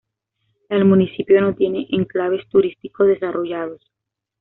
El municipio no tiene enclaves turísticos desarrollados.